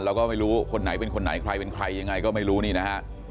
เราก็ไม่รู้คนไหนเป็นคนไหนใครเป็นใครยังไงก็ไม่รู้นี่นะฮะ